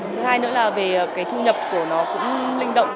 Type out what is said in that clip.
thứ hai nữa là về cái thu nhập của nó cũng linh động